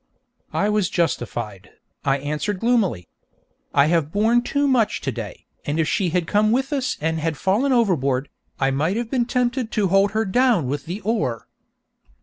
'I was justified,' I answered gloomily. 'I have borne too much to day, and if she had come with us and had fallen overboard, I might have been tempted to hold her down with the oar.'